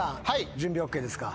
準備ＯＫですか？